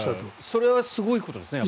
それはすごいことですね。